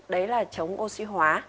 đấy là chống oxy hóa